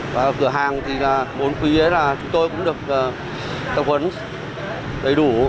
và cửa hàng thì bốn khí là chúng tôi cũng được tập huấn đầy đủ